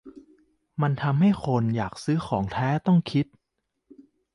มันทำใหึ้คนอยากซื้อของแท้ต้องคิด